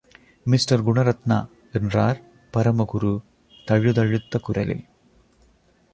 Mister Gunaratna, என்றார் பரமகுரு தழுதழுத்த குரலில்.